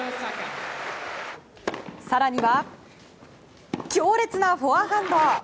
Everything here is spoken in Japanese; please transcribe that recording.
更には強烈なフォアハンド！